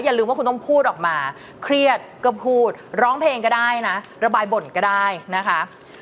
ลืมว่าคุณต้องพูดออกมาเครียดก็พูดร้องเพลงก็ได้นะระบายบ่นก็ได้นะคะ